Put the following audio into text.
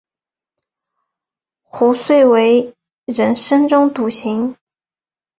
壶遂为人深中笃行。